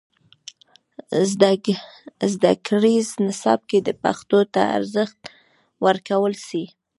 زدهکړیز نصاب کې دې پښتو ته ارزښت ورکړل سي.